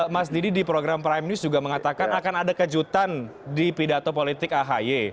mas didi di program prime news juga mengatakan akan ada kejutan di pidato politik ahy